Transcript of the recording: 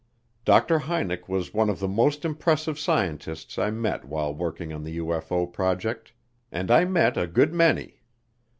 Dr. Hynek was one of the most impressive scientists I met while working on the UFO project, and I met a good many.